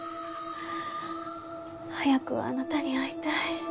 早くあなたに会いたい。